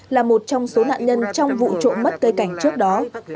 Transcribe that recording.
là một trong số nạn nhân trong vụ trộm mất cây cảnh trước đó